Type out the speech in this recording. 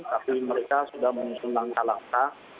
tapi mereka sudah mengusung langkah langkah